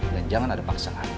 dan jangan ada paksaan